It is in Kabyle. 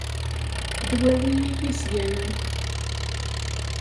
Ddwawi iyi-sganen.